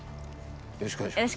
よろしくお願いします。